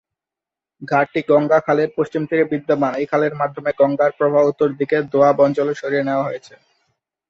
ঘাটটি গঙ্গা খালের পশ্চিম তীরে বিদ্যমান, এই খালের মাধ্যমে গঙ্গার প্রবাহ উত্তর দিকে দোয়াব অঞ্চলে সরিয়ে নেওয়া হয়েছে।